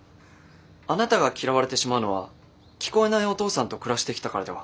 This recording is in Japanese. あなたが嫌われてしまうのは聞こえないお父さんと暮らしてきたからでは？